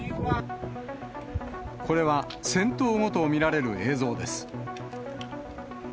これは、戦闘後と見られる映像です。